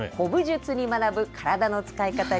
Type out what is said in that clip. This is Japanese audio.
古武術に学ぶ体の使い方。